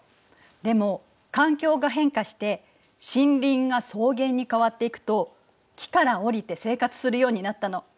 でも環境が変化して森林が草原に変わっていくと木から降りて生活するようになったの。